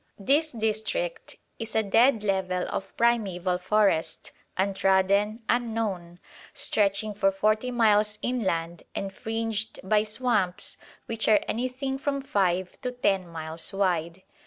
This district is a dead level of primeval forest, untrodden, unknown, stretching for forty miles inland and fringed by swamps which are anything from five to ten miles wide.